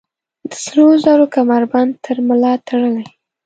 د سروزرو کمربند تر ملا تړلي